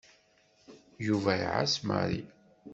Yuba iɛess Mary.